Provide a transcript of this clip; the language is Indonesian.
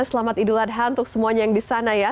selamat ido ladha untuk semuanya yang di sana ya